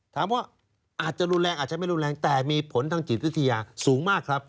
ถามว่าอาจจะรุนแรงอาจจะไม่รุนแรงแต่มีผลทางจิตวิทยาสูงมากครับ